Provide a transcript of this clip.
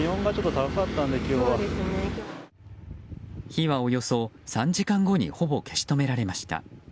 火はおよそ３時間後にほぼ消し止められました。